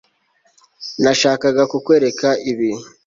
Nashakaga kukwereka ibi